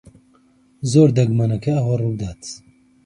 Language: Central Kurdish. زۆر دەگمەنە کە ئەوە ڕوو بدات.